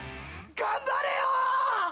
頑張れよ！